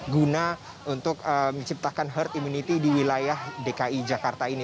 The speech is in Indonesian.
guna untuk menciptakan herd immunity di wilayah dki jakarta ini